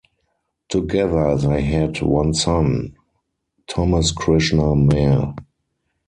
Together they had one son, Thomas Krishna Mair.